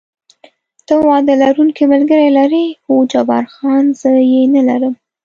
ته واده لرونکی ملګری لرې؟ هو، جبار خان: زه یې نه لرم.